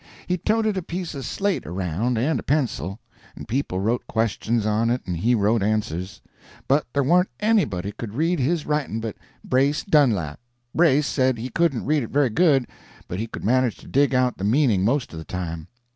He toted a piece of slate around, and a pencil; and people wrote questions on it and he wrote answers; but there warn't anybody could read his writing but Brace Dunlap. Brace said he couldn't read it very good, but he could manage to dig out the meaning most of the time.